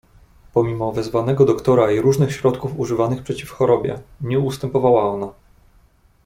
"Pomimo wezwanego doktora i różnych środków używanych przeciw chorobie, nie ustępowała ona."